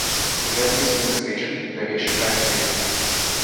Dokler nisi bil nesrečen, ne veš, kaj je sreča.